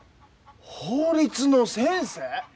法律の先生？